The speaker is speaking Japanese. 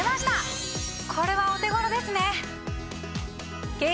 これはお手頃ですね！